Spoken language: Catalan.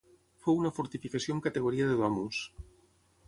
Fou una fortificació amb categoria de Domus.